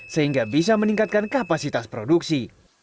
sehingga bisa meningkatkan kapasitas produksi